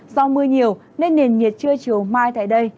do mưa nhiều nên nền nhiệt chưa chiều mai tại đây